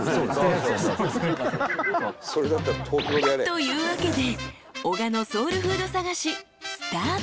［というわけで男鹿のソウルフード探しスタート！］